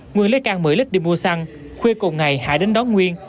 nguyên lấy can một mươi lít đi mua xăng khuya cùng ngày hải đến đón nguyên